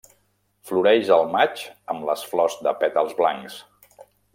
Floreix al maig amb les flors de pètals blancs.